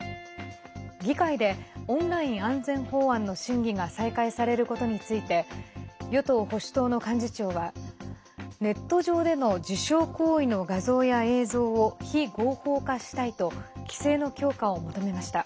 議会でオンライン安全法案の審議が再開されることについて与党・保守党の幹事長はネット上での自傷行為の画像や映像を非合法化したいと規制の強化を求めました。